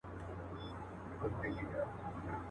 یو مذهب دی یو کتاب دی ورک د هر قدم حساب دی.